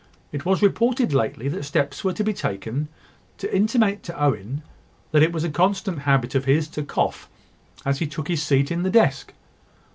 "It was reported lately that steps were to be taken to intimate to Owen, that it was a constant habit of his to cough as he took his seat in the desk.